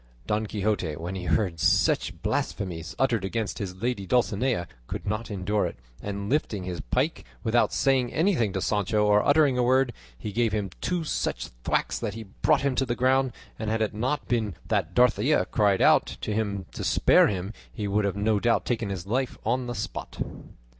Don Quixote, when he heard such blasphemies uttered against his lady Dulcinea, could not endure it, and lifting his pike, without saying anything to Sancho or uttering a word, he gave him two such thwacks that he brought him to the ground; and had it not been that Dorothea cried out to him to spare him he would have no doubt taken his life on the spot.